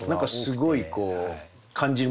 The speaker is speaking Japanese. すごいこう感じるものが。